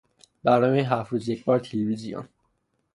برنامهی هفت روز یکبار تلویزیون